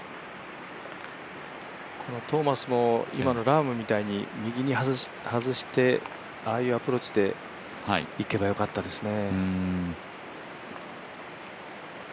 トーマスも今のラームみたいに右に外してああいうアプローチでいけば良かったですね。